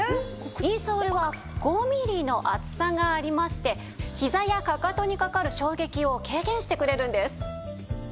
インソールは５ミリの厚さがありましてひざやかかとにかかる衝撃を軽減してくれるんです。